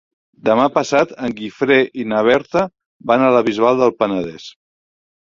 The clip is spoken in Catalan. Demà passat en Guifré i na Berta van a la Bisbal del Penedès.